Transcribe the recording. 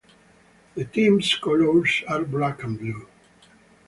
The team's colours are black and blue.